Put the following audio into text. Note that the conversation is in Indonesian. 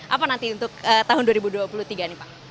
apa nanti untuk tahun dua ribu dua puluh tiga ini pak